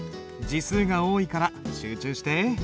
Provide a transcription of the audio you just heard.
字数が多いから集中して。